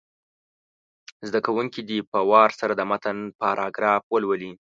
زده کوونکي دې په وار سره د متن پاراګراف ولولي.